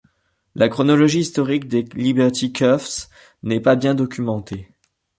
La chronologie historique des liberty cuffs n'est pas bien documentée.